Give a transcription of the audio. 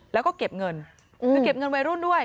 แล้วก็เก็บเงินคือเก็บเงินวัยรุ่นด้วย